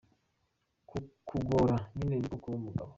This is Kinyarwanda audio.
Ku kugora nyine niko kuba umugabo.